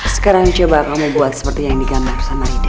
sekarang coba kamu buat seperti yang digambar sama ida